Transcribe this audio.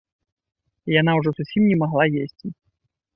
Яна ўжо зусім не магла есці.